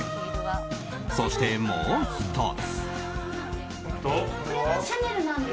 そして、もう１つ。